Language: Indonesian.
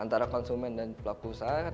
antara konsumen dan pelaku usaha